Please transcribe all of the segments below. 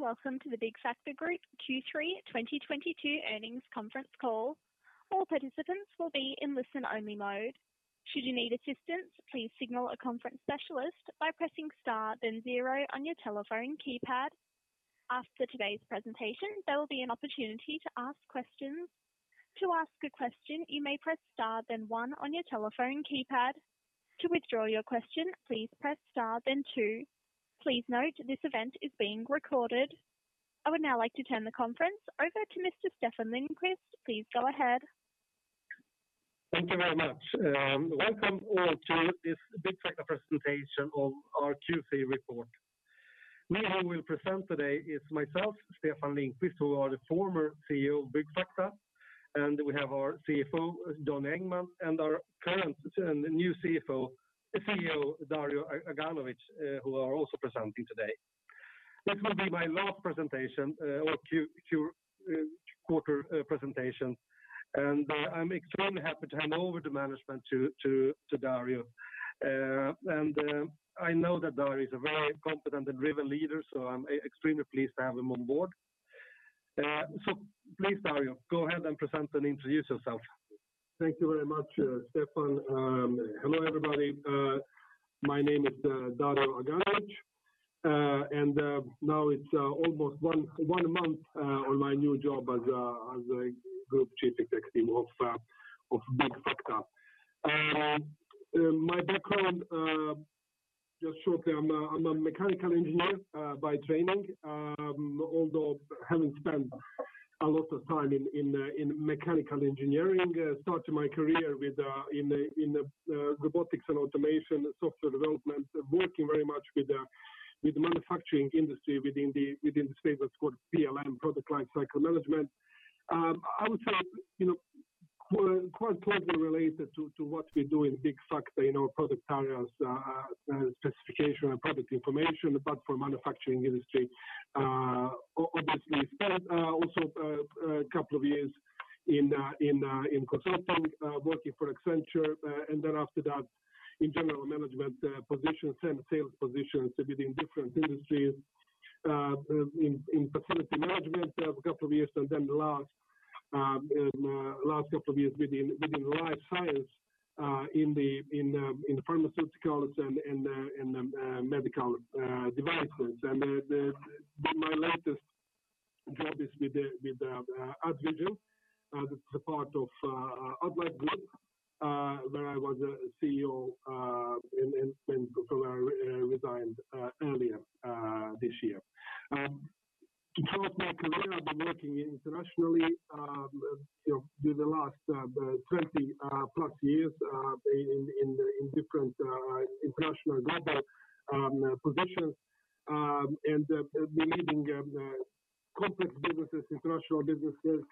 Good morning, and welcome to the Byggfakta Group Q3 2022 earnings conference call. All participants will be in listen-only mode. Should you need assistance, please signal a conference specialist by pressing Star, then zero on your telephone keypad. After today's presentation, there will be an opportunity to ask questions. To ask a question, you may press Star then one on your telephone keypad. To withdraw your question, please press Star then two. Please note this event is being recorded. I would now like to turn the conference over to Mr. Stefan Lindqvist. Please go ahead. Thank you very much. Welcome all to this Byggfakta presentation of our Q3 report. Me who will present today is myself, Stefan Lindqvist, who are the former CEO of Byggfakta, and we have our CFO, Johnny Engman, and our current, new CEO, Dario Aganovic, who are also presenting today. This will be my last presentation or Q3 presentation. I'm extremely happy to hand over the management to Dario. I know that Dario is a very confident and driven leader, so I'm extremely pleased to have him on board. Please, Dario, go ahead and present and introduce yourself. Thank you very much, Stefan. Hello everybody. My name is Dario Aganovic, and now it's almost one month on my new job as a Group Chief Executive of Byggfakta. My background, just shortly, I'm a mechanical engineer by training, although having spent a lot of time in mechanical engineering. Started my career in the robotics and automation software development, working very much with the manufacturing industry within this phase that's called PLM, product life cycle management. I would say, you know, quite closely related to what we do in Byggfakta, you know, product areas, specification and product information, but for manufacturing industry, obviously spent also couple of years in consulting, working for Accenture, and then after that in general management positions and sales positions within different industries in facility management a couple of years, and then the last couple of years within life science in the pharmaceuticals and medical devices. My latest job is with the Addovation, that's a part of Addnode Group, where I was a CEO, and when I resigned earlier this year. Throughout my career, I've been working internationally, you know, through the last 20 plus years in different international global positions and leading complex businesses, international businesses,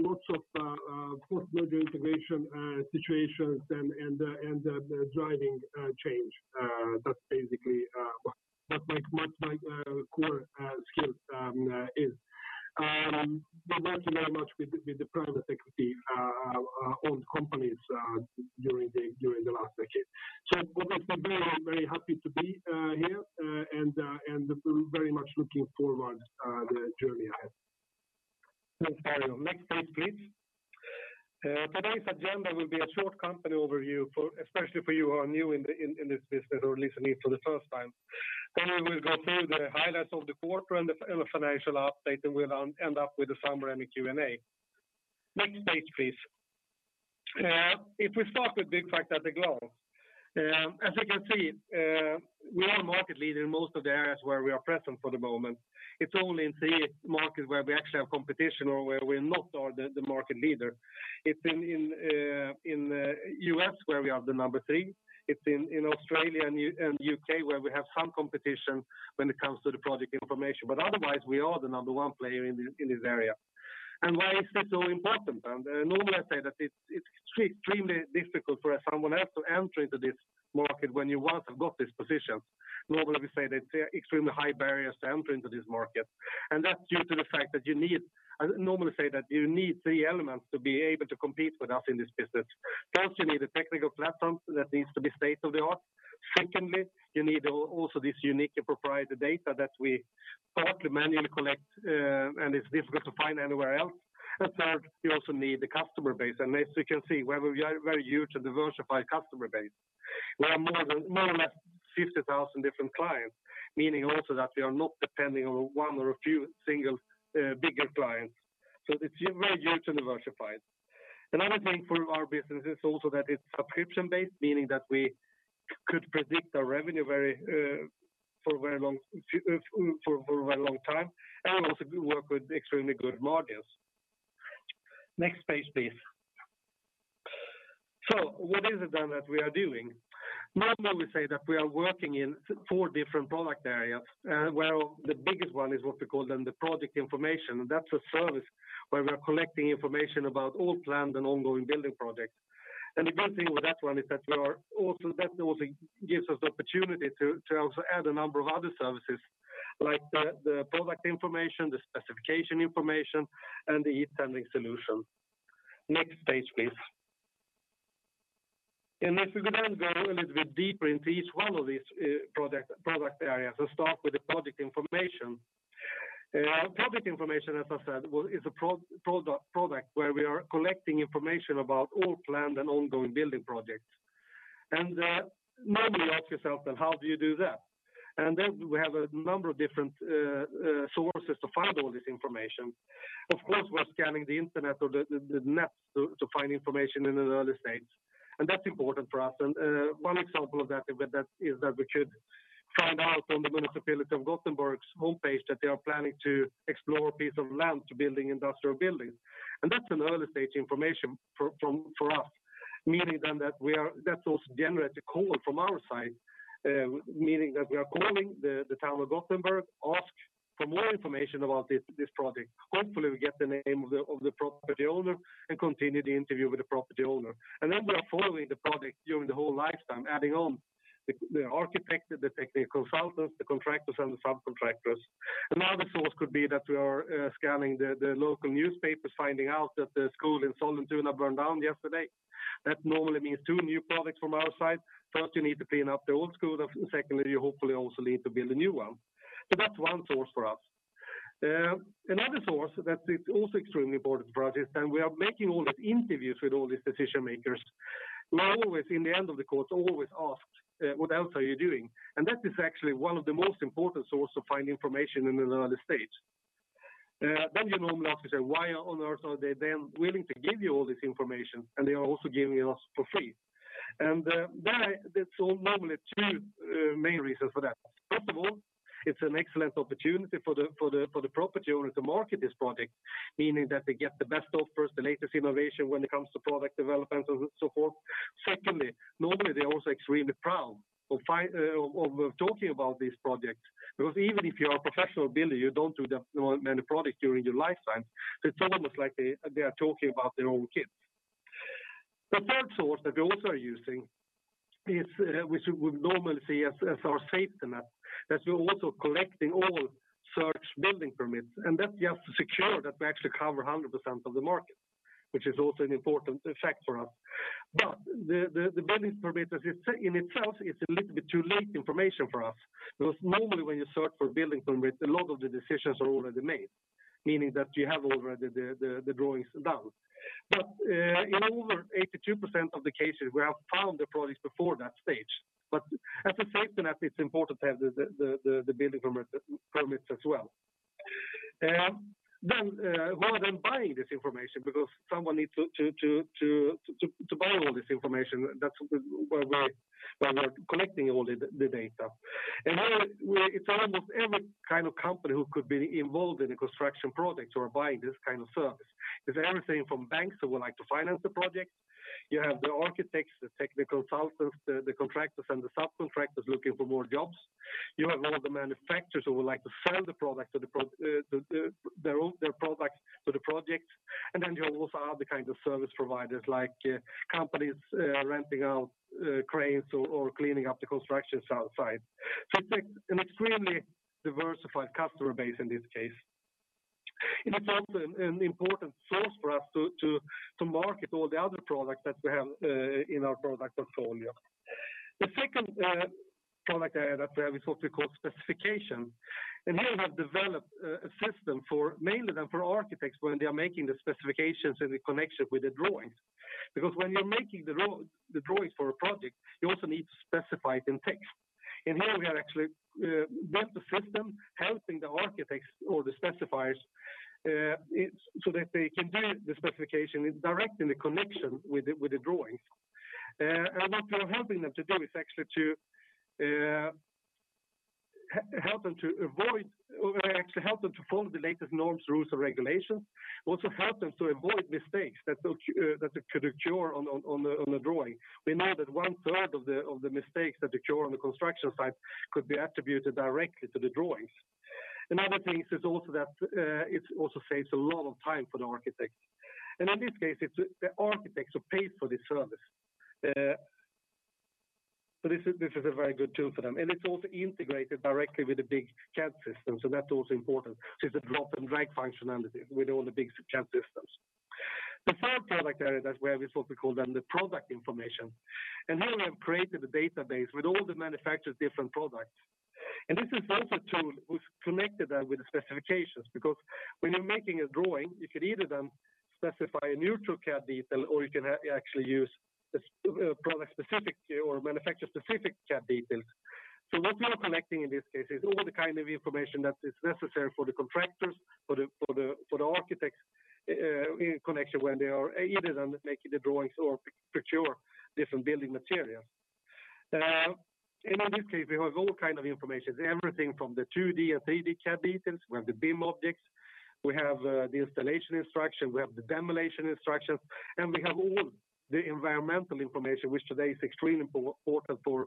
lots of post-merger integration situations and driving change. That's basically what my core skills is. Working very much with the private equity owned companies during the last decade. First of all, I'm very happy to be here and very much looking forward the journey ahead. Thanks, Dario. Next page, please. Today's agenda will be a short company overview especially for you who are new in the in this business or listening for the first time. Then we will go through the highlights of the quarter and the financial update, and we'll end up with the summary and the Q&A. Next page, please. If we start with Byggfakta at a glance, as you can see, we are a market leader in most of the areas where we are present for the moment. It's only in three markets where we actually have competition or where we're not the market leader. It's in the U.S. where we are the number three. It's in Australia and U.K. where we have some competition when it comes to the product information. Otherwise, we are the number one player in this area. Why is this so important? Normally, I say that it's extremely difficult for someone else to enter into this market when you once have got this position. Normally, we say that there are extremely high barriers to enter into this market, and that's due to the fact that you need. I normally say that you need three elements to be able to compete with us in this business. First, you need a technical platform that needs to be state-of-the-art. Secondly, you need also this unique and proprietary data that we partly manually collect, and it's difficult to find anywhere else. Third, you also need the customer base. As you can see, we have a very, very huge and diversified customer base. We have more than, more or less 50,000 different clients, meaning also that we are not depending on one or a few single bigger clients. It's very huge and diversified. Another thing for our business is also that it's subscription-based, meaning that we could predict our revenue very far for a very long time, and also we work with extremely good margins. Next page, please. What is it then that we are doing? Normally we say that we are working in four different product areas, where the biggest one is what we call then the Product Information. That's a service where we're collecting information about all planned and ongoing building projects. The good thing with that one is that also gives us the opportunity to also add a number of other services like the product information, the specification information, and the e-tendering solution. Next page, please. If we can then go a little bit deeper into each one of these product areas and start with the product information. Product information, as I said, is a product where we are collecting information about all planned and ongoing building projects. Now you ask yourself, then how do you do that? Then we have a number of different sources to find all this information. Of course, we're scanning the internet or the net to find information in an early stage, and that's important for us. One example of that is that we could find out on the municipality of Gothenburg's homepage that they are planning to explore a piece of land to building industrial buildings. That's an early-stage information from us, meaning that that's also generates a call from our side, meaning that we are calling the town of Gothenburg ask for more information about this project. Hopefully, we get the name of the property owner and continue the interview with the property owner. We are following the project during the whole lifetime, adding on the architect, the technical consultants, the contractors, and the subcontractors. Another source could be that we are scanning the local newspapers, finding out that the school in Sollentuna burned down yesterday. That normally means two new products from our side. First, you need to clean up the old school. Secondly, you hopefully also need to build a new one. That's one source for us. Another source that is also extremely important for us is when we are making all these interviews with all these decision-makers, we always, in the end of the call, ask, "What else are you doing?" That is actually one of the most important source to find information in an early stage. You normally ask yourself, "Why on earth are they then willing to give you all this information? And they are also giving us for free." There is normally two main reasons for that. First of all, it's an excellent opportunity for the property owner to market this project, meaning that they get the best offers, the latest innovation when it comes to product developments and so forth. Secondly, normally, they're also extremely proud of talking about these projects, because even if you are a professional builder, you don't do that many products during your lifetime. It's almost like they are talking about their own kids. The third source that we also are using is we normally see as our safety net, that we're also collecting all such building permits, and that's just to secure that we actually cover 100% of the market, which is also an important effect for us. The building permit as it in itself is a little bit too late information for us, because normally when you search for building permits, a lot of the decisions are already made, meaning that you have already the drawings done. In over 82% of the cases, we have found the projects before that stage. As a safety net, it's important to have the building permits as well. Then, rather than buying this information because someone needs to buy all this information, that's where we're collecting all the data. Here, it's almost every kind of company who could be involved in a construction project who are buying this kind of service. It's everything from banks who would like to finance the project. You have the architects, the technical consultants, the contractors, and the subcontractors looking for more jobs. You have a lot of the manufacturers who would like to sell their products to the project. You also have the kind of service providers like companies renting out cranes or cleaning up the construction site. It's like an extremely diversified customer base in this case. It's also an important source for us to market all the other products that we have in our product portfolio. The second product area that we have is what we call specification. Here we have developed a system for mainly then for architects when they are making the specifications in connection with the drawings. Because when you're making the drawings for a project, you also need to specify it in text. We have actually built a system helping the architects or the specifiers so that they can do the specification directly in connection with the drawings. What we're helping them to do is actually to help them to avoid or actually help them to follow the latest norms, rules, and regulations. Also help them to avoid mistakes that could occur on the drawing. We know that one-third of the mistakes that occur on the construction site could be attributed directly to the drawings. Another thing is also that it also saves a lot of time for the architects. In this case, it's the architects who pay for this service. This is a very good tool for them, and it's also integrated directly with the big CAD system, so that's also important. It's a drag-and-drop functionality with all the big CAD systems. The third product area that we have is what we call then the Product Information. Here we have created a database with all the manufacturers' different products. This is also a tool we've connected with the Specifications because when you're making a drawing, you could either then specify a neutral CAD detail or you can actually use a product-specific or manufacturer-specific CAD details. What we are collecting in this case is all kinds of information that is necessary for the contractors, for the architects, in connection when they are either then making the drawings or procure different building materials. In this case, we have all kind of information, everything from the 2D and 3D CAD details. We have the BIM objects. We have the installation instructions. We have the demolition instructions, and we have all the environmental information, which today is extremely important for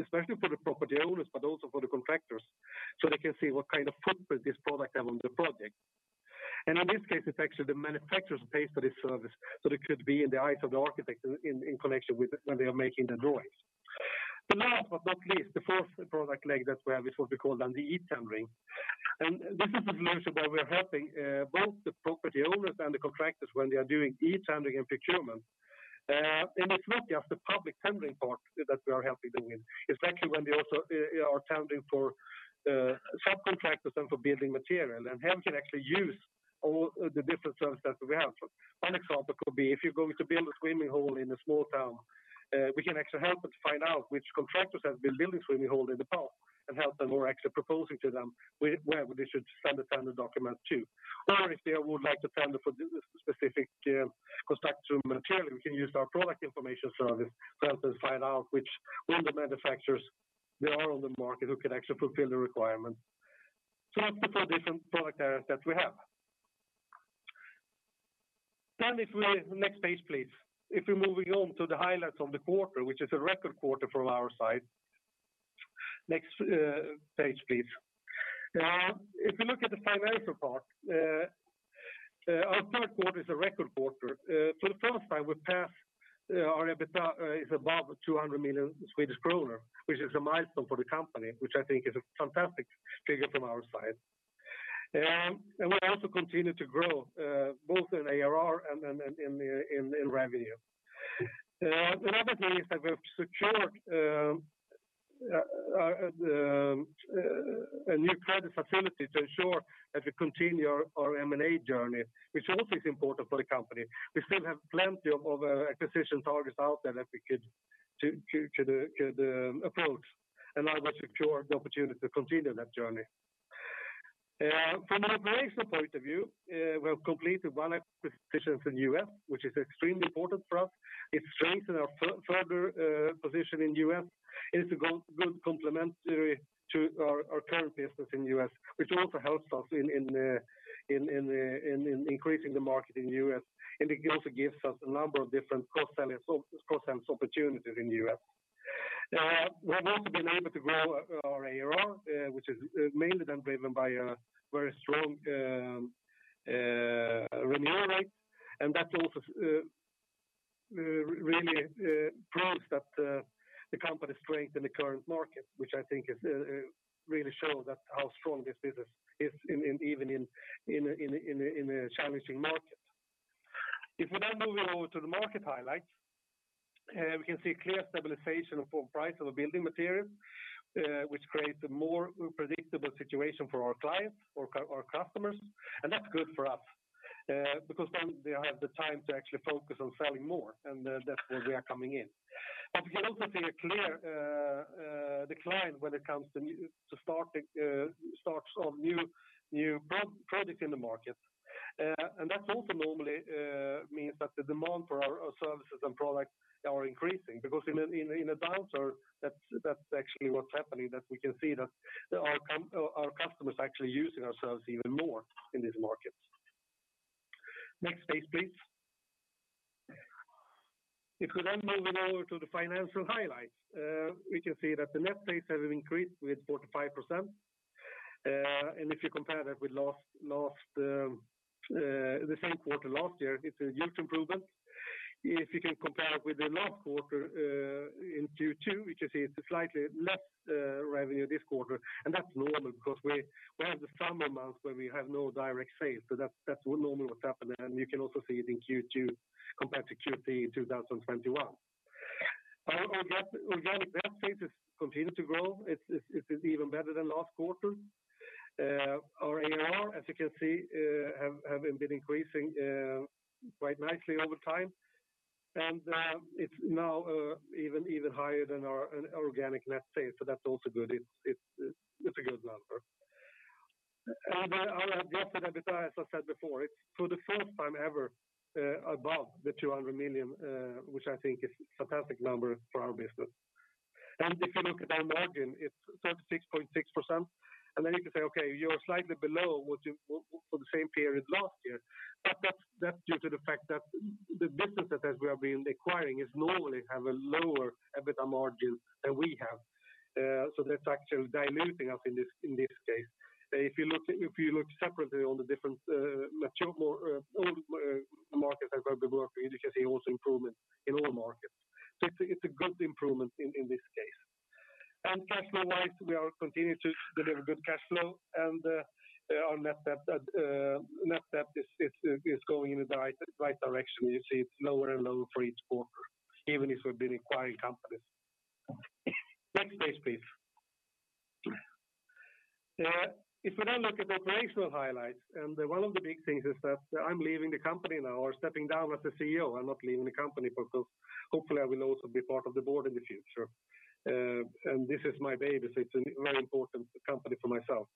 especially for the property owners, but also for the contractors, so they can see what kind of footprint this product have on the project. In this case, it's actually the manufacturers pay for this service, so they could be in the eyes of the architect in connection with when they are making the drawings. The last but not least, the fourth product leg that we have is what we call the e-tendering. This is a solution where we're helping both the property owners and the contractors when they are doing e-tendering and procurement. It's not just the public tendering part that we are helping them with. It's actually when they also are tendering for subcontractors and for building material, and help can actually use all the different services that we have. One example could be if you're going to build a swimming pool in a small town, we can actually help them find out which contractors have been building swimming pool in the past and help them who are actually proposing to them where they should send the tender document to. Or if they would like to tender for specific construction material, we can use our Product Information service to help them find out which one of the manufacturers there are on the market who can actually fulfill the requirement. That's the four different product areas that we have. Next page, please. If we're moving on to the highlights of the quarter, which is a record quarter from our side. Next page, please. If you look at the financial part, our third quarter is a record quarter. For the first time, we passed. Our EBITDA is above 200 million Swedish kronor, which is a milestone for the company, which I think is a fantastic figure from our side. We also continue to grow both in ARR and in revenue. Another thing is that we've secured a new credit facility to ensure that we continue our M&A journey, which also is important for the company. We still have plenty of acquisition targets out there that we could approach, and now we've secured the opportunity to continue that journey. From an operational point of view, we have completed one acquisition from U.S., which is extremely important for us. It strengthens our further position in U.S. It's a good complementary to our current business in U.S., which also helps us in increasing the market in U.S. It also gives us a number of different cross-selling opportunities in U.S. We've also been able to grow our ARR, which is mainly then driven by a very strong renewal rate. That also really proves that the company's strength in the current market, which I think really shows how strong this business is, even in a challenging market. If we're now moving over to the market highlights, we can see clear stabilization for prices of building materials, which creates a more predictable situation for our clients or our customers. That's good for us, because then they have the time to actually focus on selling more, and that's where we are coming in. We can also see a clear decline when it comes to starts of new projects in the market. That also normally means that the demand for our services and products are increasing because in a downturn, that's actually what's happening, that we can see that our customers are actually using our service even more in this market. Next page, please. If we're then moving over to the financial highlights, we can see that the net sales have increased with 45%. If you compare that with the same quarter last year, it's a huge improvement. If you can compare with the last quarter in Q2, which you see it's slightly less revenue this quarter. That's normal because we have the summer months where we have no direct sales. That's normally what's happening. You can also see it in Q2 compared to Q3 in 2021. Our gross net sales continue to grow. It's even better than last quarter. Our ARR, as you can see, have been increasing quite nicely over time. It's now even higher than our organic net sales. That's also good. It's a good number. Our adjusted EBITDA, as I said before, it's for the first time ever above 200 million, which I think is fantastic number for our business. If you look at our margin, it's 36.6%. You can say, okay, you're slightly below for the same period last year. That's due to the fact that the businesses that we have been acquiring is normally have a lower EBITDA margin than we have. That's actually diluting us in this case. If you look separately on the different mature, more old markets that we have been working, you can see also improvement in all markets. It's a good improvement in this case. Cash flow-wise, we are continuing to deliver good cash flow. Our net debt is going in the right direction. You see it's lower and lower for each quarter, even if we've been acquiring companies. Next page, please. If we now look at operational highlights. One of the big things is that I'm leaving the company now or stepping down as the CEO. I'm not leaving the company because hopefully I will also be part of the board in the future. This is my baby, so it's a very important company for myself.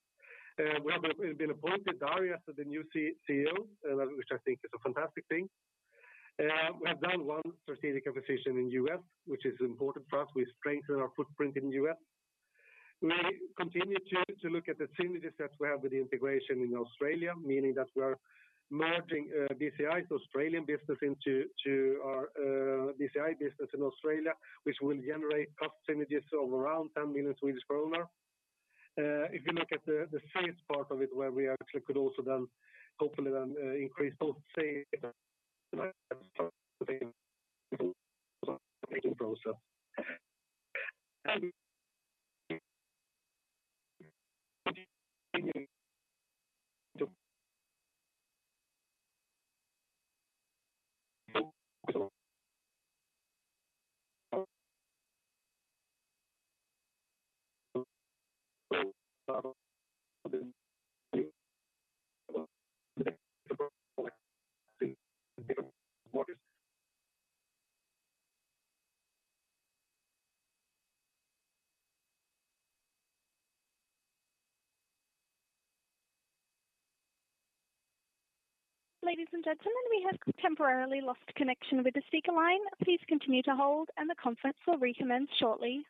We have appointed Dario Aganovic as the new CEO, which I think is a fantastic thing. We have done one strategic acquisition in U.S., which is important for us. We strengthen our footprint in U.S. We continue to look at the synergies that we have with the integration in Australia, meaning that we are merging BCI's Australian business into our BCI business in Australia, which will generate cost synergies of around 10 million Swedish kronor. If you look at the size part of it where we actually could also then hopefully increase those, say process. Ladies and gentlemen, we have temporarily lost connection with the speaker line. Please continue to hold and the conference will recommence shortly.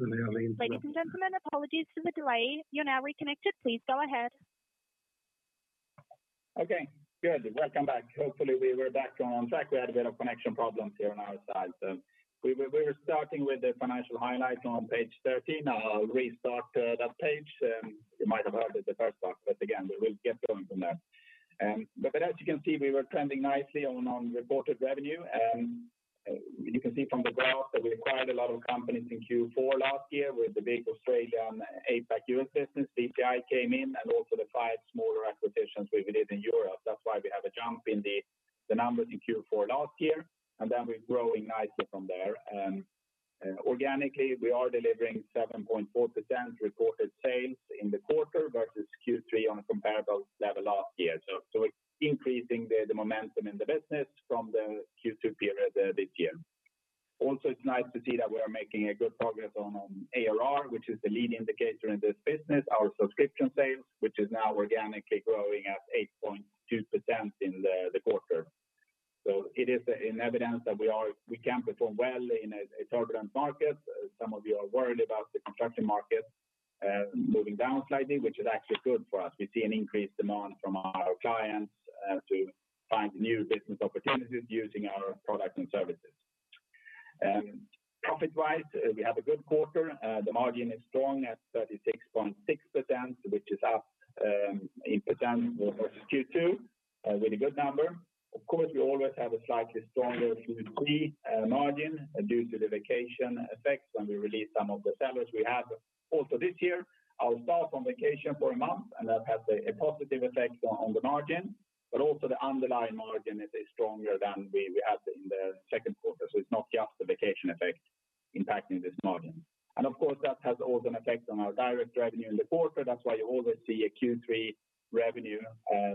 Ladies and gentlemen, apologies for the delay. You're now reconnected. Please go ahead. Okay, good. Welcome back. Hopefully, we were back on track. We had a bit of connection problems here on our side. We were starting with the financial highlights on page 13. I'll restart that page. You might have heard it the first time, but again, we will get going from there. But as you can see, we were trending nicely on reported revenue. You can see from the graph that we acquired a lot of companies in Q4 last year with the big Australia and APAC US business. CPI came in and also the five smaller acquisitions we did in Europe. That's why we have a jump in the numbers in Q4 last year, and then we're growing nicely from there. Organically, we are delivering 7.4% reported sales in the quarter versus Q3 on a comparable level last year. It's increasing the momentum in the business from the Q2 period this year. Also, it's nice to see that we are making a good progress on ARR, which is the leading indicator in this business, our subscription sales, which is now organically growing at 8.2% in the quarter. It is in evidence that we can perform well in a turbulent market. Some of you are worried about the construction market moving down slightly, which is actually good for us. We see an increased demand from our clients to find new business opportunities using our products and services. Profit-wise, we have a good quarter. The margin is strong at 36.6%, which is up 8% versus Q2. A really good number. Of course, we always have a slightly stronger Q3 margin due to the vacation effects when we release some of the sellers we have. Also this year, I'll start on vacation for a month, and that has a positive effect on the margin. Also the underlying margin is stronger than we had in the second quarter. It's not just the vacation effect impacting this margin. Of course, that has also an effect on our direct revenue in the quarter. That's why you always see a Q3 revenue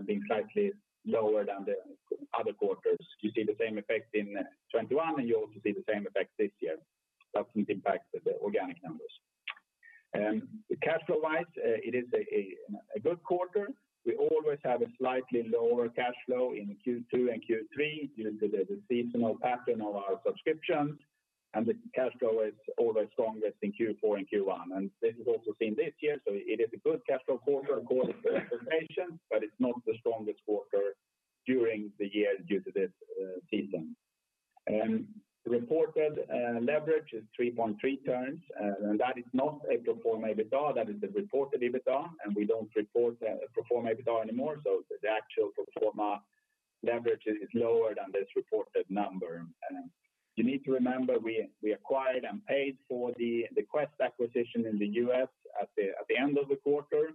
being slightly lower than the other quarters. You see the same effect in 2021, and you also see the same effect this year. That impacts the organic numbers. Cash flow-wise, it is a good quarter. We always have a slightly lower cash flow in Q2 and Q3 due to the seasonal pattern of our subscriptions, and the cash flow is always strongest in Q4 and Q1. This is also seen this year, so it is a good cash flow quarter according to the expectation, but it's not the strongest quarter during the year due to this season. Reported leverage is 3.3x, and that is not a pro forma EBITDA, that is a reported EBITDA, and we don't report pro forma EBITDA anymore, so the actual pro forma leverage is lower than this reported number. You need to remember we acquired and paid for the Quest acquisition in the US at the end of the quarter,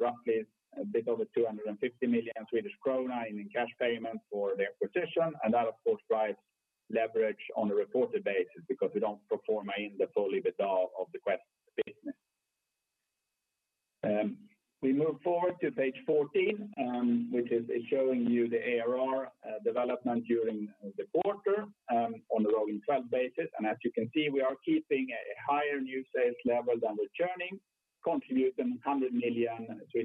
roughly a bit over 250 million Swedish krona in cash payment for the acquisition. That of course drives leverage on a reported basis because we don't pro forma in the full EBITDA of the Quest business. We move forward to page 14, which is showing you the ARR development during the quarter, on a rolling twelve basis. As you can see, we are keeping a higher new sales level than returning, contributing 100 million to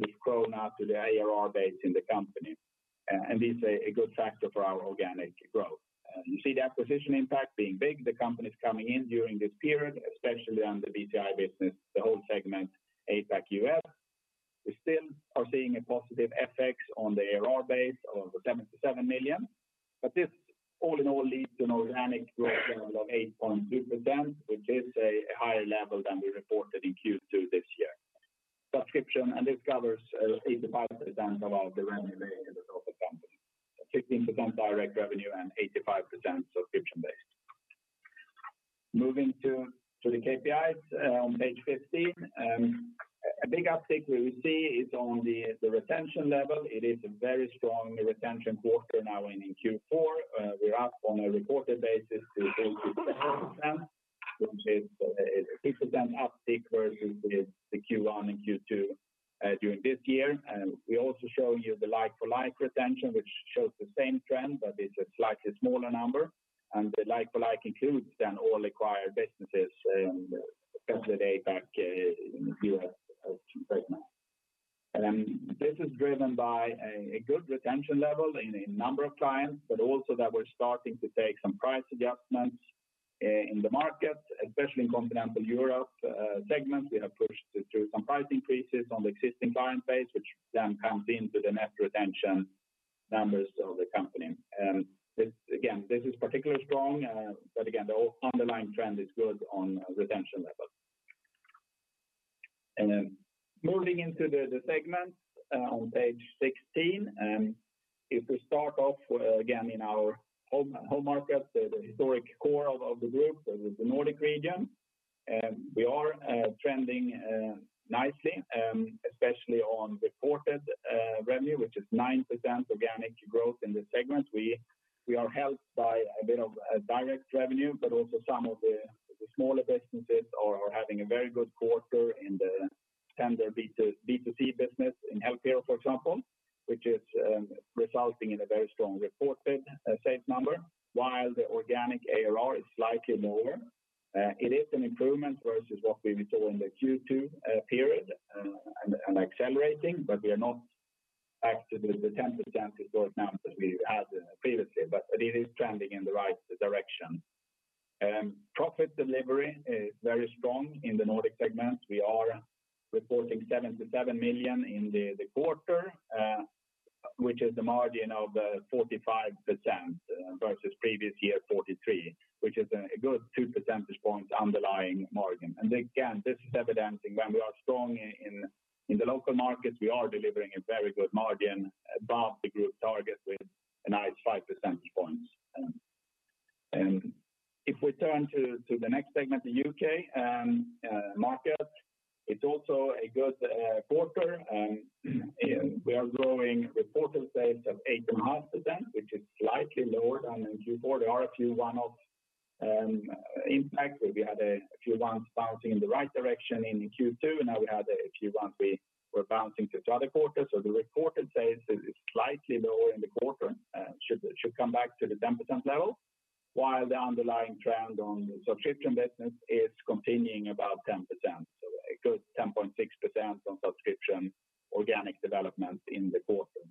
the ARR base in the company. This is a good factor for our organic growth. You see the acquisition impact being big. The company's coming in during this period, especially on the BCI business, the whole segment, APAC US. We still are seeing a positive FX on the ARR base of 77 million. This all in all leads to an organic growth level of 8.2%, which is a higher level than we reported in Q2 this year. Subscription, and this covers 85% of our revenue in the company. 15% direct revenue and 85% subscription-based. Moving to the KPIs on page 15. A big uptake we would see is on the retention level. It is a very strong retention quarter now in Q4. We're up on a reported basis to 87%, which is a 6% uptake versus the Q1 and Q2 during this year. We also show you the like-for-like retention, which shows the same trend, but it's a slightly smaller number. The like-for-like includes then all acquired businesses, especially the APAC, US segment. This is driven by a good retention level in a number of clients, but also that we're starting to take some price adjustments in the market, especially in Continental Europe, segment. We have pushed through some price increases on the existing client base, which then comes into the net retention numbers of the company. This again is particularly strong, but again, the underlying trend is good on a retention level. Moving into the segments on page 16. If we start off again in our home market, the historic core of the group, the Nordic region, we are trending nicely, especially on reported revenue, which is 9% organic growth in the segment. We are helped by a bit of direct revenue, but also some of the smaller businesses are having a very good quarter in the tender B2B, B2C business in healthcare, for example, which is resulting in a very strong reported sales number. While the organic ARR is slightly lower, it is an improvement versus what we saw in the Q2 period, and accelerating, but we are not back to the 10% historic numbers we had previously, but it is trending in the right direction. Profit delivery is very strong in the Nordic segment. We are reporting 77 million in the quarter, which is a margin of 45% versus previous year 43, which is a good 2 percentage points underlying margin. Again, this is evidencing when we are strong in the local markets, we are delivering a very good margin above the group target with a nice 5 percentage points. If we turn to the next segment, the UK market, it's also a good quarter. We are growing reported sales of 8.5%, which is slightly lower than in Q4. There are a few one-off impacts where we had a few ones bouncing in the right direction in Q2. Now we had a few ones we were bouncing to the other quarter. The reported sales is slightly lower in the quarter. Should come back to the 10% level, while the underlying trend on subscription business is continuing above 10%. A good 10.6% on subscription organic development in the quarter.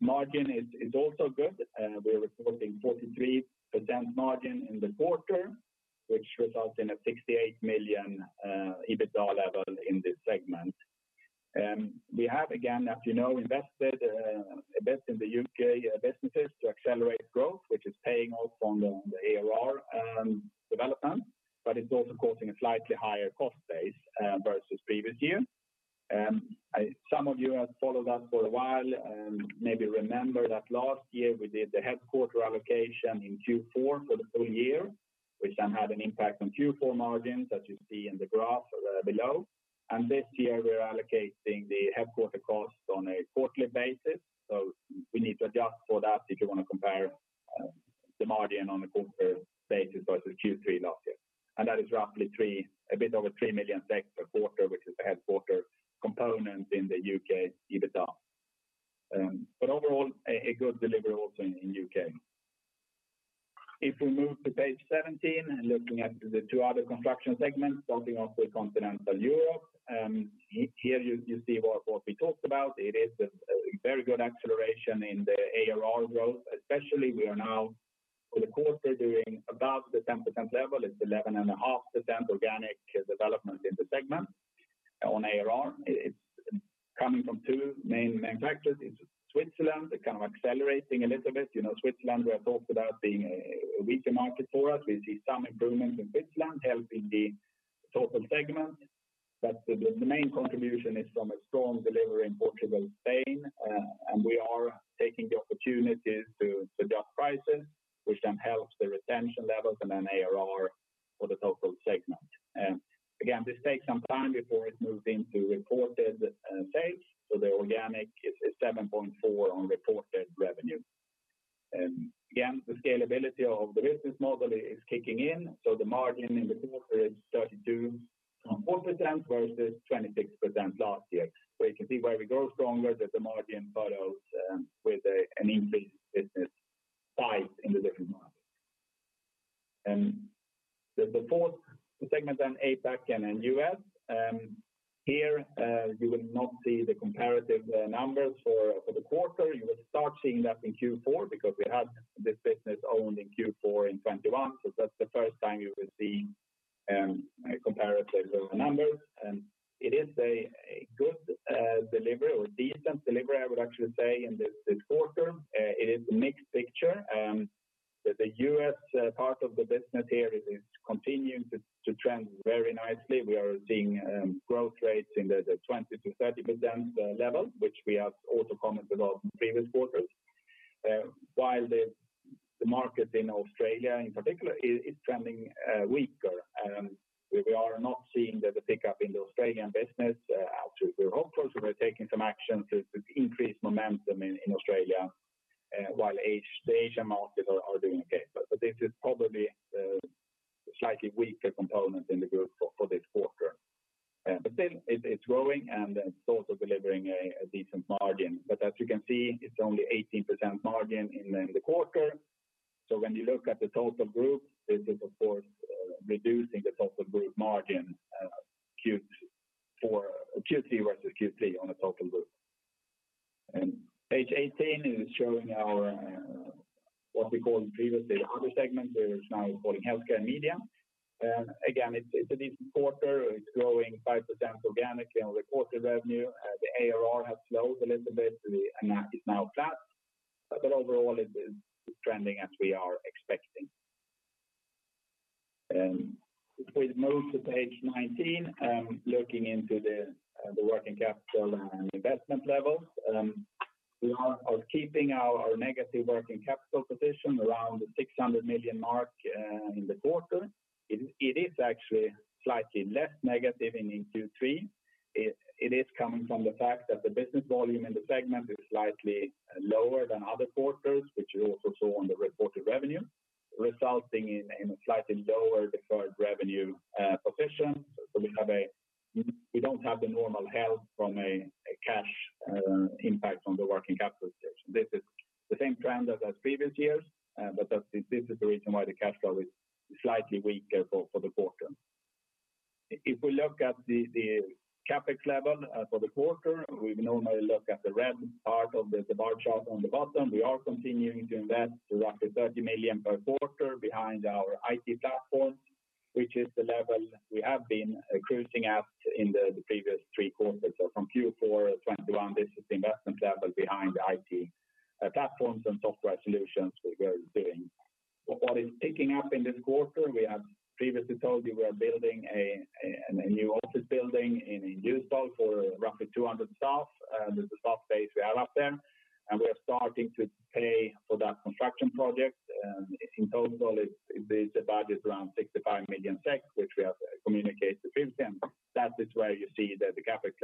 Margin is also good. We're reporting 43% margin in the quarter, which results in a 68 million EBITDA level in this segment. We have again, as you know, invested a bit in the UK businesses to accelerate growth, which is paying off on the ARR development, but it's also causing a slightly higher cost base versus previous year. Some of you have followed us for a while and maybe remember that last year we did the headquarters allocation in Q4 for the full-year, which then had an impact on Q4 margins, as you see in the graph below. This year, we're allocating the headquarters costs on a quarterly basis. We need to adjust for that if you wanna compare. The margin on a quarter basis versus Q3 last year. That is roughly 3, a bit over 3 million SEK per quarter, which is the headquarters component in the UK EBITDA. But overall, a good delivery also in UK. If we move to page 17, and looking at the two other construction segments, starting off with Continental Europe, here you see what we talked about. It is a very good acceleration in the ARR growth, especially we are now for the quarter doing above the 10% level. It's 11.5% organic development in the segment on ARR. It's coming from two main factors. It's Switzerland, they're kind of accelerating a little bit. You know, Switzerland, we have talked about being a weaker market for us. We see some improvements in Switzerland helping the total segment. The main contribution is from a strong delivery in Portugal, Spain, and we are taking the opportunity to adjust prices, which then helps the retention levels and then ARR for the total segment. Again, this takes some time before it moves into reported sales. The organic is 7.4% on reported revenue. Again, the scalability of the business model is kicking in, so the margin in the quarter is 32.4% versus 26% last year. You can see where we grow stronger, that the margin follows, with an increased business size in the different markets. The fourth segment then, APAC and then US, here, you will not see the comparative numbers for the quarter. You will start seeing that in Q4 because we had this business only in Q4 in 2021. That's the first time you will see comparative growth numbers. It is a good delivery or decent delivery, I would actually say, in this quarter. It is a mixed picture. The US part of the business here is continuing to trend very nicely. We are seeing growth rates in the 20%-30% level, which we have also commented on in previous quarters. While the market in Australia in particular is trending weaker. We are not seeing the pickup in the Australian business as we were hopeful. We're taking some action to increase momentum in Australia while Asia markets are doing okay. This is probably a slightly weaker component in the group for this quarter. Still, it's growing and it's also delivering a decent margin. As you can see, it's only 18% margin in the quarter. When you look at the total group, this is of course reducing the total group margin for Q2 versus Q3 on the total group. Page 18 is showing our what we called previously the Other segment. We're now calling Healthcare Media. Again, it's a decent quarter. It's growing 5% organically on the quarter revenue. The ARR has slowed a little bit and that is now flat. Overall it is trending as we are expecting. If we move to page 19, looking into the working capital and investment levels, we are keeping our negative working capital position around 600 million in the quarter. It is actually slightly less negative in Q3. It is coming from the fact that the business volume in the segment is slightly lower than other quarters, which you also saw on the reported revenue, resulting in a slightly lower deferred revenue position. We don't have the normal help from a cash impact from the working capital position. This is the same trend as previous years, but that's the reason why the cash flow is slightly weaker for the quarter. If we look at the CapEx level for the quarter, we would normally look at the red part of the bar chart on the bottom. We are continuing to invest roughly 30 million per quarter behind our IT platforms, which is the level we have been cruising at in the previous three quarters. From Q4 2021, this is the investment level behind the IT platforms and software solutions we're doing. What is picking up in this quarter, we have previously told you we are building a new office building in Stockholm for roughly 200 staff. There's a staff base we have up there. We are starting to pay for that construction project. In total it is a budget around 65 million, which we have communicated previously. That is where you see the CapEx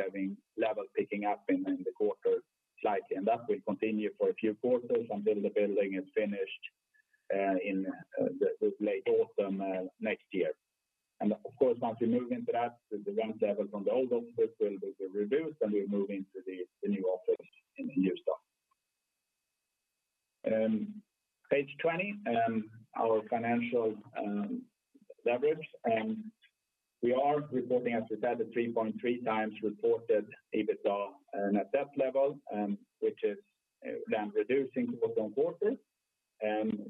level picking up in the quarter slightly. That will continue for a few quarters until the building is finished in the late autumn next year. Of course, once we move into that, the rent level from the old office will be reduced, and we move into the new office in Stockholm. Page 20, our financial leverage. We are reporting, as we said, a 3.3x reported EBITDA and a debt level, which is then reducing quarter-on-quarter.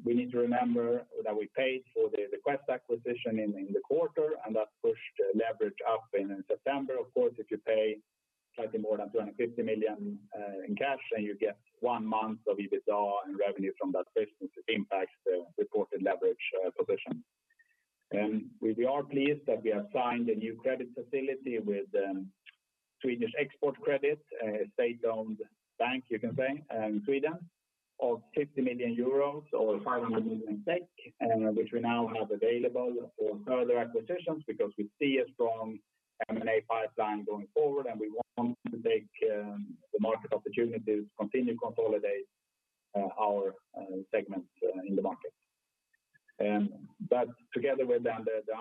We need to remember that we paid for the Quest acquisition in the quarter, and that pushed leverage up in September. Of course, if you pay slightly more than 250 million in cash, then you get one month of EBITDA and revenue from that business. It impacts the reported leverage position. We are pleased that we have signed a new credit facility with Swedish Export Credit Corporation, a state-owned bank, you can say, in Sweden, of 50 million euros or 500 million. Which we now have available for further acquisitions because we see a strong M&A pipeline going forward, and we want to take the market opportunity to continue to consolidate our segments in the market. Together with the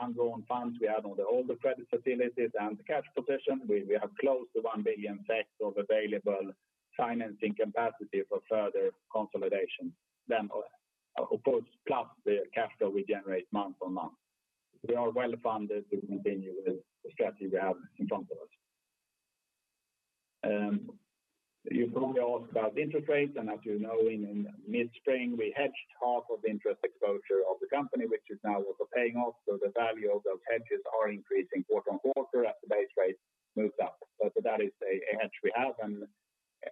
ongoing funds we have on the older credit facilities and the cash position, we have close to 1 billion of available financing capacity for further consolidation. Of course, plus the capital we generate month-on-month. We are well-funded to continue with the strategy we have in front of us. You probably asked about interest rates, and as you know, in mid-spring, we hedged half of the interest exposure of the company, which is now also paying off. The value of those hedges are increasing quarter-on-quarter as the base rate moves up. That is a hedge we have and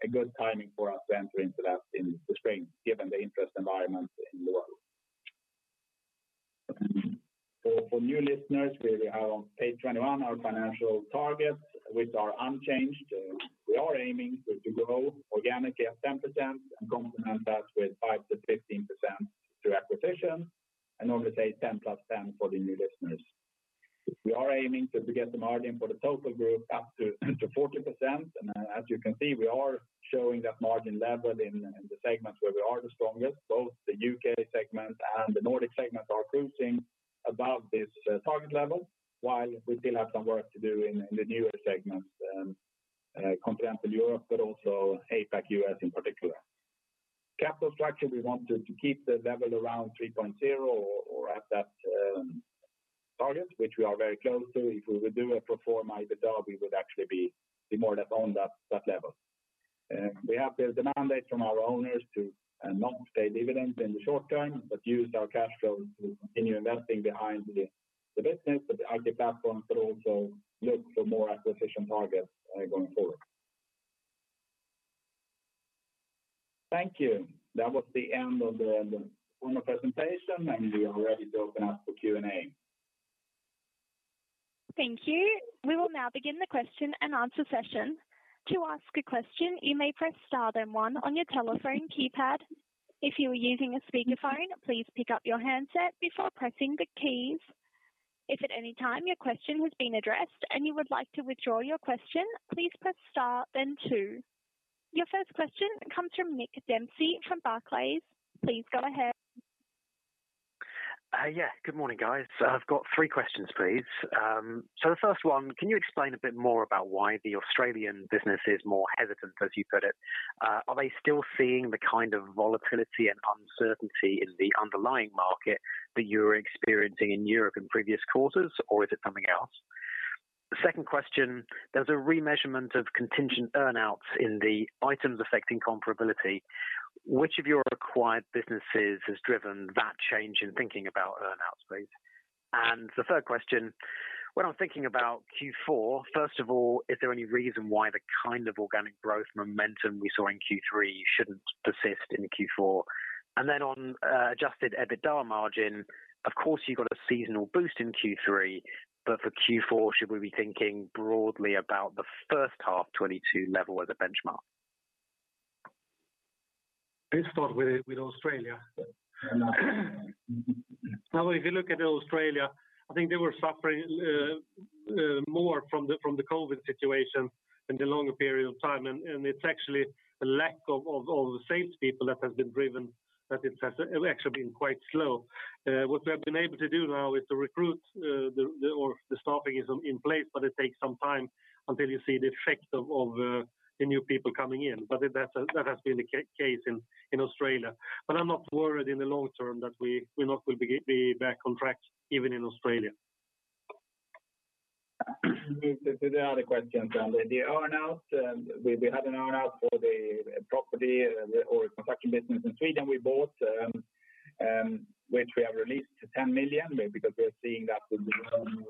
a good timing for us to enter into that in the spring, given the interest environment in the world. For new listeners, we have on page 21 our financial targets, which are unchanged. We are aiming to grow organically at 10% and complement that with 5%-15% through acquisition. In order to hit 10 + 10 for the new listeners. We are aiming to get the margin for the total group up to 40%. As you can see, we are showing that margin level in the segments where we are the strongest. Both the UK segment and the Nordic segment are cruising above this target level while we still have some work to do in the newer segments, Continental Europe, but also APAC, US in particular. Capital structure, we want to keep the level around 3.0 or at that target, which we are very close to. If we would do a pro forma EBITDA, we would actually be more or less on that level. We have the mandate from our owners to not pay dividends in the short term, but use our cash flow to continue investing behind the business, but the IT platform could also look for more acquisition targets going forward. Thank you. That was the end of the formal presentation, and we are ready to open up for Q&A. Thank you. We will now begin the question and answer session. To ask a question, you may press star then one on your telephone keypad. If you are using a speakerphone, please pick up your handset before pressing the keys. If at any time your question has been addressed and you would like to withdraw your question, please press star then two. Your first question comes from Nick Dempsey from Barclays. Please go ahead. Yeah, good morning, guys. I've got three questions, please. So the first one, can you explain a bit more about why the Australian business is more hesitant, as you put it? Are they still seeing the kind of volatility and uncertainty in the underlying market that you were experiencing in Europe in previous quarters, or is it something else? The second question, there's a remeasurement of contingent earn-outs in the items affecting comparability. Which of your acquired businesses has driven that change in thinking about earn-outs, please? The third question, when I'm thinking about Q4, first of all, is there any reason why the kind of organic growth momentum we saw in Q3 shouldn't persist into Q4? adjusted EBITDA margin, of course, you got a seasonal boost in Q3, but for Q4, should we be thinking broadly about the first half 2022 level as a benchmark? Let's start with Australia. Now, if you look at Australia, I think they were suffering more from the COVID situation in the longer period of time. It's actually a lack of sales people that has driven that it has actually been quite slow. What we have been able to do now is to recruit. The staffing is in place, but it takes some time until you see the effect of the new people coming in. That has been the case in Australia. I'm not worried in the long term that we not will be back on track even in Australia. To the other questions. The earn-out, we had an earn-out for the property or construction business in Sweden we bought, which we have released 10 million SEK because we're seeing that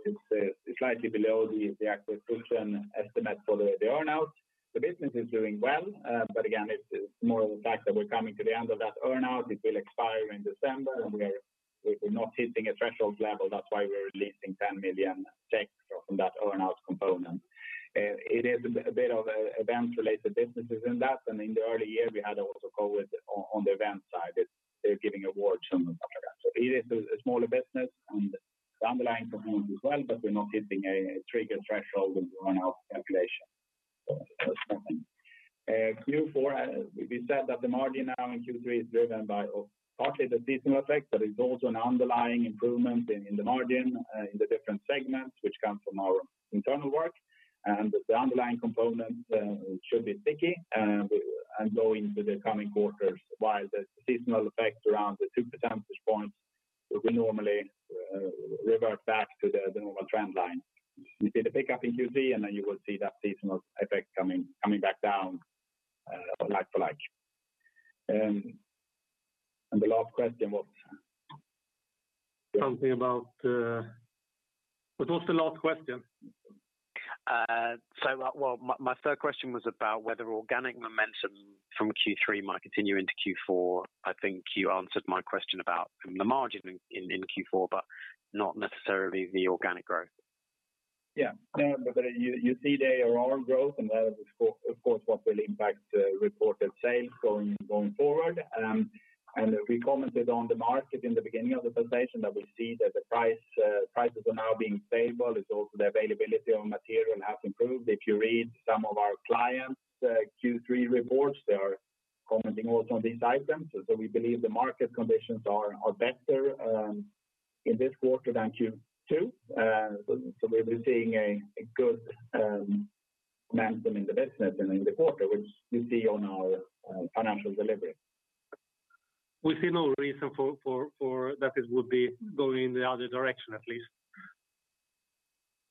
it's slightly below the acquisition estimate for the earn-out. The business is doing well, but again, it's more of the fact that we're coming to the end of that earn-out. It will expire in December, and we're not hitting a threshold level. That's why we're releasing 10 million SEK from that earn-out component. It is a bit of event-related businesses in that. In the early year, we had also COVID on the event side. It's giving awards and stuff like that. It is a smaller business, and the underlying performance is well, but we're not hitting a trigger threshold with the earn-out calculation. Q4, we said that the margin now in Q3 is driven by partly the seasonal effect, but it's also an underlying improvement in the margin in the different segments, which comes from our internal work. The underlying component should be sticky and go into the coming quarters, while the seasonal effect around the 2 percentage points will be normally revert back to the normal trend line. You see the pickup in Q3, and then you will see that seasonal effect coming back down, like for like. The last question was? Something about. What was the last question? Well, my third question was about whether organic momentum from Q3 might continue into Q4. I think you answered my question about the margin in Q4, but not necessarily the organic growth. No, but you see the ARR growth and that is of course what will impact reported sales going forward. We commented on the market in the beginning of the presentation that we see that the prices are now being stable. It's also the availability of material has improved. If you read some of our clients' Q3 reports, they are commenting also on these items. We believe the market conditions are better in this quarter than Q2. We've been seeing a good momentum in the business and in the quarter, which you see on our financial delivery. We see no reason for that it would be going in the other direction, at least.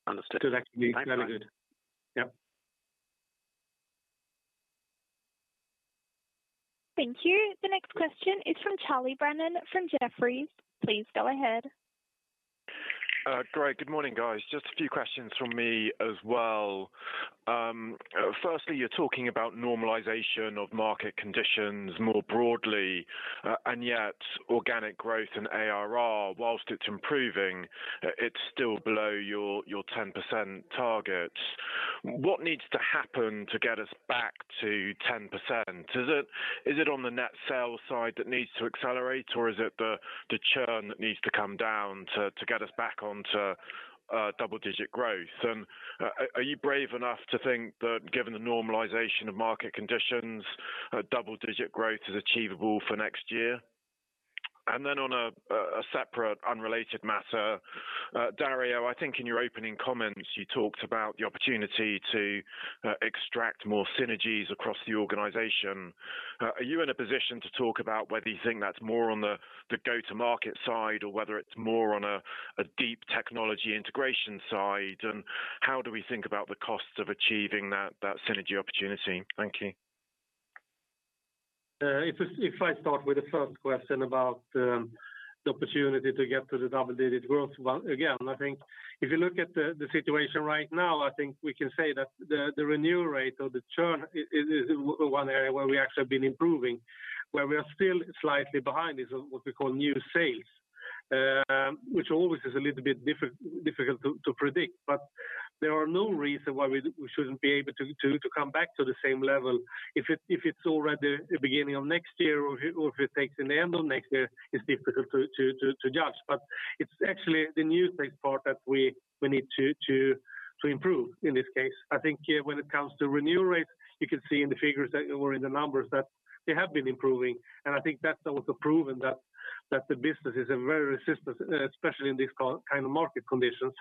Understood. Should actually be very good. Yep. Thank you. The next question is from Charlie Brennan from Jefferies. Please go ahead. Great. Good morning, guys. Just a few questions from me as well. First, you're talking about normalization of market conditions more broadly, and yet organic growth and ARR, while it's improving, it's still below your 10% target. What needs to happen to get us back to 10%? Is it on the net sales side that needs to accelerate, or is it the churn that needs to come down to get us back onto double-digit growth? Are you brave enough to think that given the normalization of market conditions, double-digit growth is achievable for next year? Then on a separate unrelated matter, Dario, I think in your opening comments you talked about the opportunity to extract more synergies across the organization. Are you in a position to talk about whether you think that's more on the go-to-market side or whether it's more on a deep technology integration side? How do we think about the costs of achieving that synergy opportunity? Thank you. If I start with the first question about the opportunity to get to the double-digit growth. Well, again, I think if you look at the situation right now, I think we can say that the renewal rate or the churn is one area where we actually have been improving. Where we are still slightly behind is what we call new sales, which always is a little bit difficult to predict. But there are no reason why we shouldn't be able to come back to the same level. If it's already the beginning of next year or if it takes in the end of next year, it's difficult to judge. But it's actually the new sales part that we need to improve in this case. I think when it comes to renewal rates, you can see in the numbers that they have been improving. I think that's also proven that the business is a very resilient, especially in these kind of market conditions.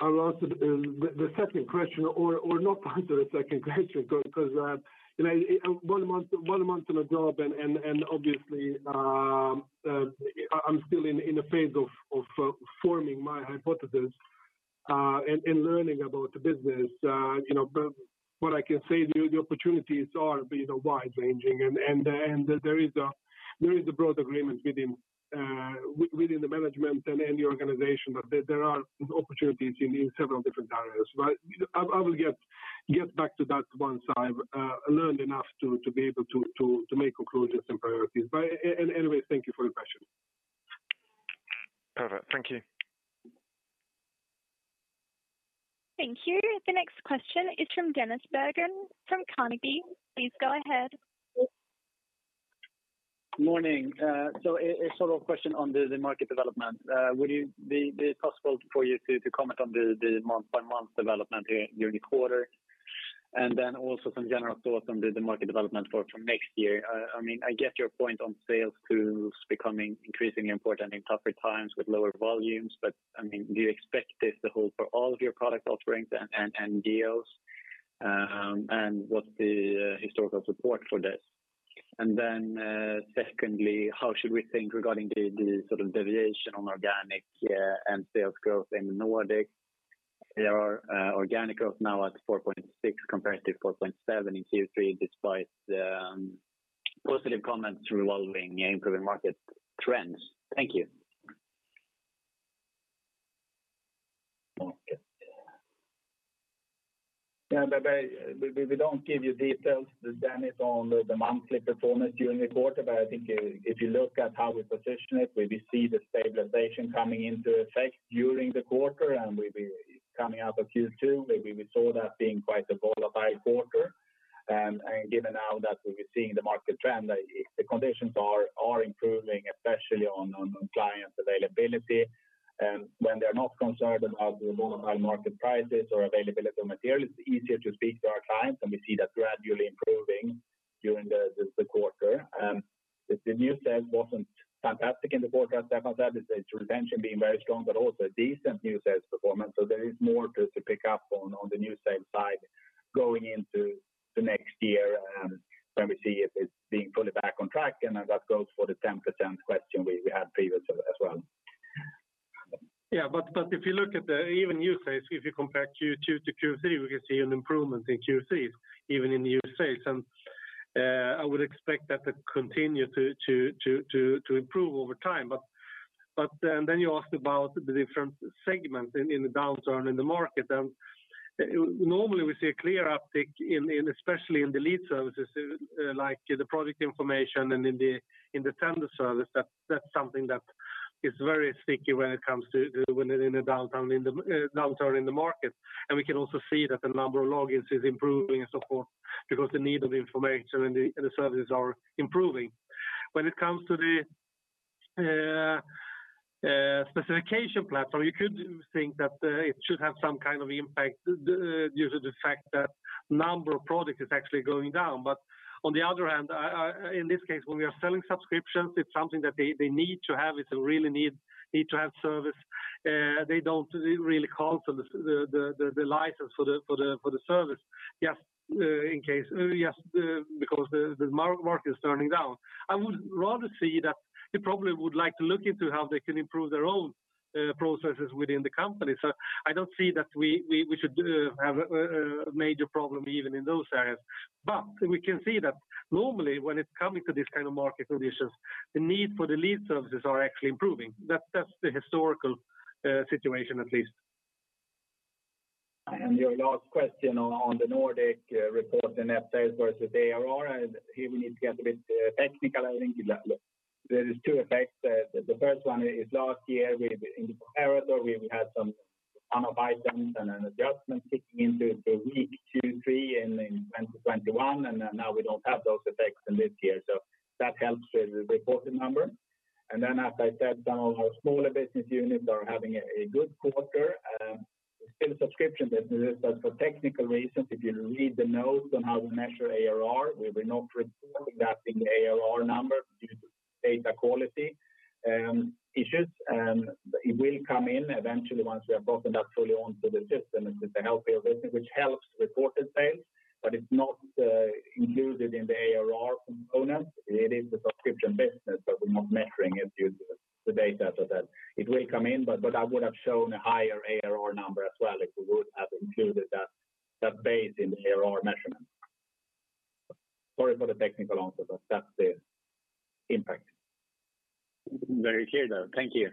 I'll answer the second question or not answer the second question because you know one month in a job and obviously I'm still in a phase of forming my hypothesis and learning about the business. You know, but what I can say the opportunities are, you know, wide-ranging and there is a broad agreement within the management and in the organization that there are opportunities in several different areas. You know, I will get back to that once I've learned enough to be able to make conclusions and priorities. Anyway, thank you for your question. Perfect. Thank you. Thank you. The next question is from Dennis Berggren from Carnegie. Please go ahead. Morning. A sort of question on the market development. Would it be possible for you to comment on the month-by-month development during the quarter? Also some general thoughts on the market development for next year. I mean, I get your point on sales tools becoming increasingly important in tougher times with lower volumes. I mean, do you expect this to hold for all of your product offerings and deals? What's the historical support for this? Secondly, how should we think regarding the sort of deviation on organic and sales growth in the Nordics? There are organic growth now at 4.6% compared to 4.7% in Q3, despite positive comments regarding improving market trends. Thank you. We don't give you details, Dennis, on the monthly performance during the quarter. I think if you look at how we position it, where we see the stabilization coming into effect during the quarter and we've been coming out of Q2, where we saw that being quite a volatile quarter. Given now that we've been seeing the market trend, the conditions are improving, especially on clients' availability. When they're not concerned about the volatile market prices or availability of materials, it's easier to speak to our clients, and we see that gradually improving during the quarter. The new sales wasn't fantastic in the quarter as Stefan said. It's retention being very strong, but also a decent new sales performance. There is more to pick up on the new sales side going into the next year, when we see if it's being fully back on track. That goes for the 10% question we had previously as well. Yeah. If you look at even the new sales, if you compare Q2 to Q3, we can see an improvement in Q3, even in new sales. I would expect that to continue to improve over time. Then you asked about the different segments in the downturn in the market. Normally we see a clear uptick in especially the lead services, like the product information and in the tender service. That's something that is very sticky when it comes to when they're in a downturn in the market. We can also see that the number of logins is improving and so forth because the need of information and the services are improving. When it comes to the specification platform, you could think that it should have some kind of impact due to the fact that number of products is actually going down. But on the other hand, in this case, when we are selling subscriptions, it's something that they need to have. It's a really need to have service. They don't really call for the license for the service just in case because the market is turning down. I would rather see that they probably would like to look into how they can improve their own processes within the company. I don't see that we should have a major problem even in those areas. We can see that normally when it's coming to this kind of market conditions, the need for the lead services are actually improving. That's the historical situation at least. Your last question on the Nordic report, the net sales versus the ARR, here we need to get a bit technical. I think there is two effects. The first one is last year within comparator we had some one-off items and an adjustment kicking into the week two, three in 2021, and then now we don't have those effects in this year. That helps the reported number. Then as I said, some of our smaller business units are having a good quarter, still subscription business. But for technical reasons, if you read the notes on how we measure ARR, we were not presenting that in the ARR number due to data quality issues. It will come in eventually once we have gotten that fully onto the system. It's a healthier business which helps reported sales, but it's not included in the ARR component. It is a subscription business, but we're not measuring it due to the data so that it will come in, but that would have shown a higher ARR number as well if we would have included that base in the ARR measurement. Sorry for the technical answer, but that's the impact. Very clear, though. Thank you.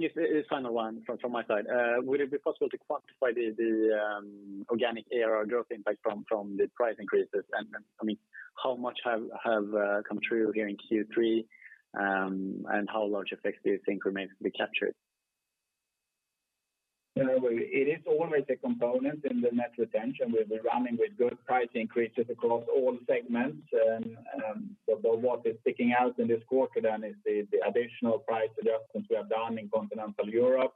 Just this final one from my side. Would it be possible to quantify the organic ARR growth impact from the price increases? I mean, how much have come through here in Q3, and how large effects do you think remains to be captured? You know, it is always a component in the net retention. We've been running with good price increases across all segments. But what is sticking out in this quarter then is the additional price adjustments we have done in continental Europe,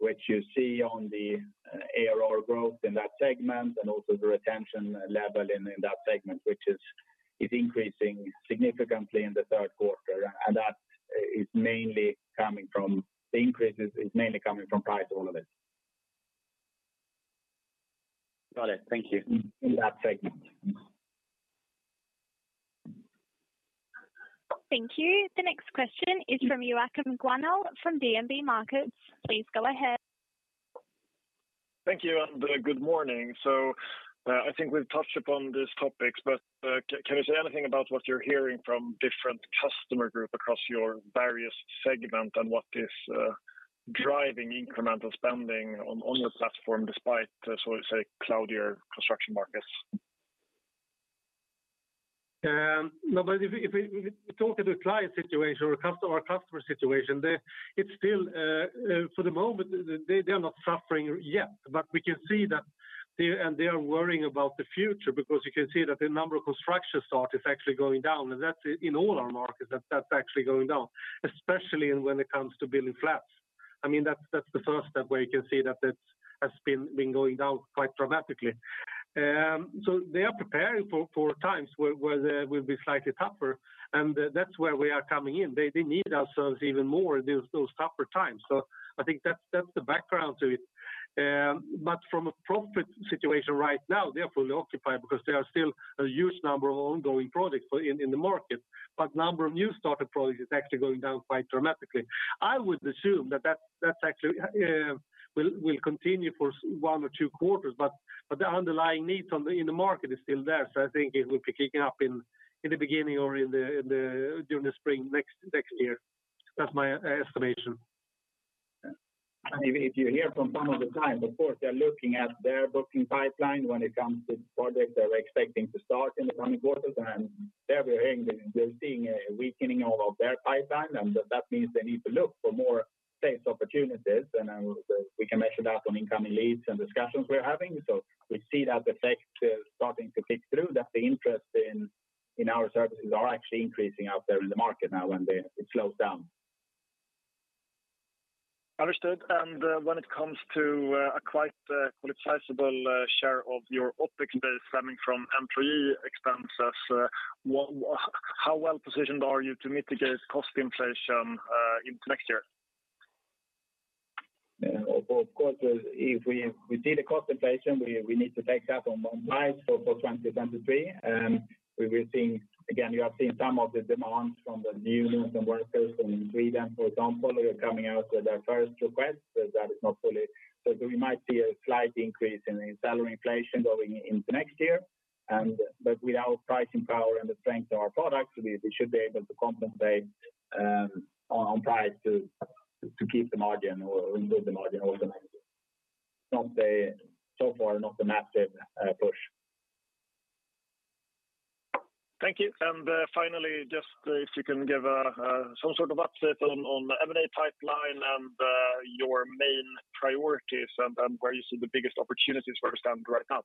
which you see on the ARR growth in that segment and also the retention level in that segment, which is increasing significantly in the third quarter. The increase is mainly coming from price, all of it. Got it. Thank you. In that segment. Thank you. The next question is from Joachim Gunell from DNB Markets. Please go ahead. Thank you, and good morning. I think we've touched upon these topics, but can you say anything about what you're hearing from different customer group across your various segment and what is driving incremental spending on your platform despite so to say cloudier construction markets? No, but if we talk to the client situation or customer situation, it's still, for the moment, they're not suffering yet. We can see that they are worrying about the future because you can see that the number of construction starts is actually going down. That's in all our markets. That's actually going down, especially when it comes to building flats. I mean, that's the first step where you can see that it's been going down quite dramatically. They are preparing for times where it will be slightly tougher, and that's where we are coming in. They need us even more in those tougher times. I think that's the background to it. From a profit situation right now, they are fully occupied because there are still a huge number of ongoing projects in the market. Number of new started projects is actually going down quite dramatically. I would assume that that will continue for one or two quarters, but the underlying needs in the market is still there. I think it will be kicking up in the beginning or during the spring next year. That's my estimation. If you hear from some of the clients, of course, they're looking at their booking pipeline when it comes to projects that are expecting to start in the coming quarters. There we are hearing they're seeing a weakening of their pipeline. That means they need to look for more safe opportunities. We can measure that on incoming leads and discussions we're having. We see that effect starting to kick through, that the interest in our services are actually increasing out there in the market now when it slows down. Understood. When it comes to a quite well sizable share of your OpEx base stemming from employee expenses, how well positioned are you to mitigate cost inflation into next year? Of course, if we see the cost inflation, we need to take that on board for 2023. We will see. Again, you have seen some of the demands from the unions and workers from Sweden, for example, who are coming out with their first request. That is not fully. We might see a slight increase in salary inflation going into next year. With our pricing power and the strength of our products, we should be able to compensate on price to keep the margin or improve the margin over the next year. So far, not a massive push. Thank you. Finally, just if you can give some sort of update on the M&A pipeline and your main priorities and where you see the biggest opportunities for Byggfakta right now.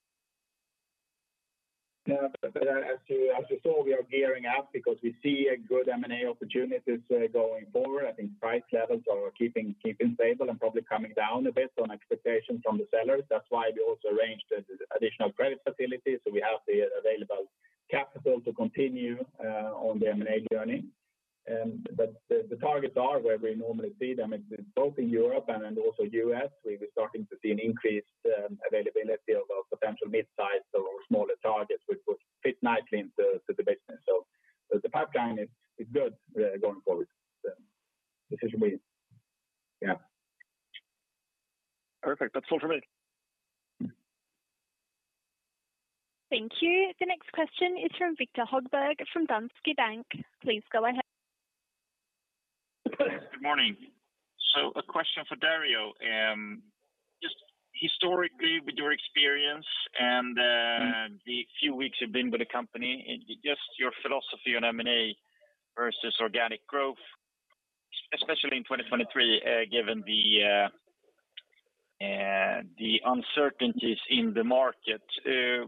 As you saw, we are gearing up because we see a good M&A opportunities going forward. I think price levels are keeping stable and probably coming down a bit on expectations from the sellers. That's why we also arranged the additional credit facility, so we have the available capital to continue on the M&A journey. The targets are where we normally see them. It's both in Europe and also US. We're starting to see an increased availability of potential mid-size or smaller targets which would fit nicely into the business. The pipeline is good going forward. Perfect. That's all for me. Thank you. The next question is from Victor Höglund from Danske Bank. Please go ahead. Good morning. A question for Dario. Just historically with your experience and Mm-hmm In the few weeks you've been with the company, just your philosophy on M&A versus organic growth, especially in 2023, given the uncertainties in the market.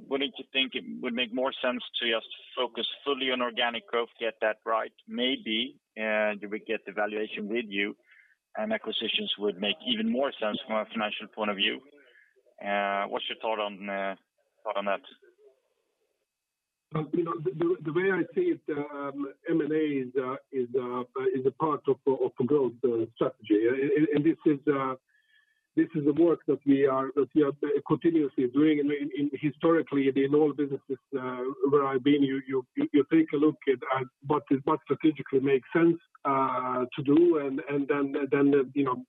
Wouldn't you think it would make more sense to just focus fully on organic growth, get that right? Maybe do we get the valuation with you and acquisitions would make even more sense from a financial point of view. What's your thought on that? You know, the way I see it, M&A is a part of growth strategy. This is the work that we are continuously doing. Historically, in all businesses where I've been, you take a look at what strategically makes sense to do. You know,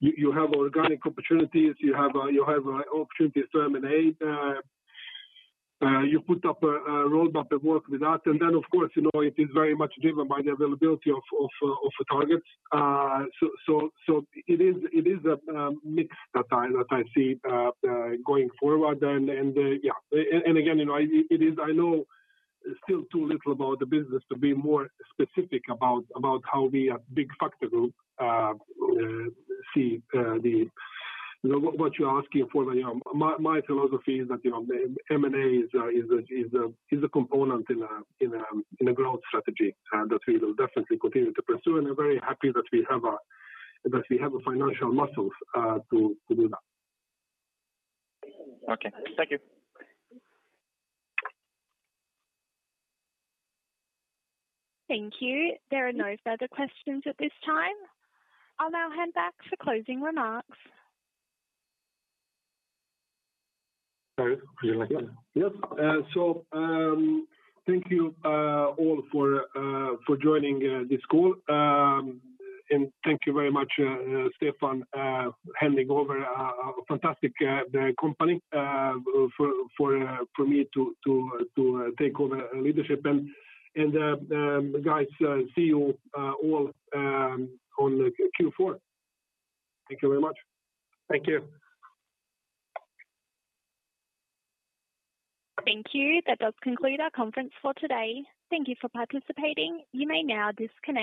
you have organic opportunities. You have opportunities to M&A. You put up a roadmap of work with that. Of course, you know, it is very much driven by the availability of targets. It is a mix that I see going forward. Yeah. Again, you know, it is, I know, still too little about the business to be more specific about how we at Byggfakta Group see what you're asking for. You know, what you're asking for. You know, my philosophy is that, you know, M&A is a component in a growth strategy that we will definitely continue to pursue. I'm very happy that we have financial muscles to do that. Okay. Thank you. Thank you. There are no further questions at this time. I'll now hand back for closing remarks. Dario, would you like to? Yes. Thank you all for joining this call. Thank you very much, Stefan, handing over a fantastic company for me to take over leadership and guys, see you all on the Q4. Thank you very much. Thank you. Thank you. That does conclude our conference for today. Thank you for participating. You may now disconnect.